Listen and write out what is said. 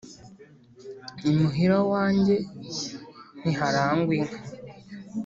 Imuhira wanjye ntiharangwa inka